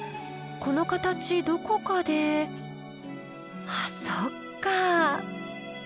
この形どこかであそっか！